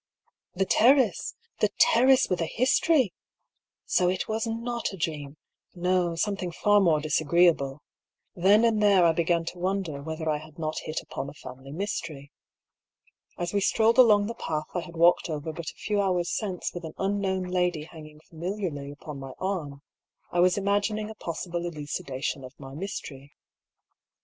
The terrace! The terrace with a history! So it was not a dream ; no, something far more disagreeable. Then and there I began to wonder whether I had not hit upon a family mystery. As we strolled along the path I had walked over but a few hours since with an unknown lady hanging familiarly upon my arm, I was imagining a possible elucidation of my mystery.